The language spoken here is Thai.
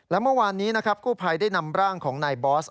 และเมื่อวานนี้นะครับกู้ภัยได้นำร่างของนายบอส